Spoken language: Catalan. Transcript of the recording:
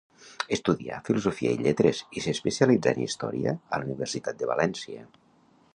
Estudià Filosofia i Lletres i s'especialitzà en història a la Universitat de València.